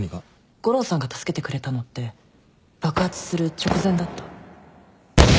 悟郎さんが助けてくれたのって爆発する直前だった。